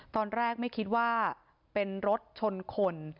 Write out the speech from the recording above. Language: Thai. ตอนแรกไม่คิดว่าเป็นรถชนคน